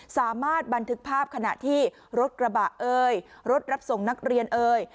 สามารถบันทึกภาพขณะที่รถกระบะเอ่ยรถรับส่งนักเรียนเอ่ย